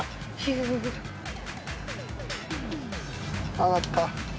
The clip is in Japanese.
上がった。